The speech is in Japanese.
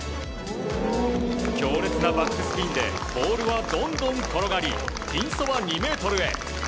強烈なバックスピンでボールはどんどん転がりピンそば２ｍへ。